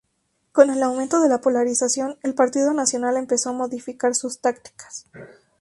Con el aumento de la polarización el Partido Nacional empezó a modificar sus tácticas.